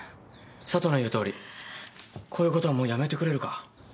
佐都の言うとおりこういうことはもうやめてくれるか？